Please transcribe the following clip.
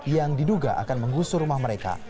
yang diduga akan menggusur rumah mereka